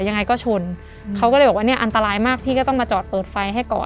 ยังไงก็ชนเขาก็เลยบอกว่าเนี่ยอันตรายมากพี่ก็ต้องมาจอดเปิดไฟให้ก่อน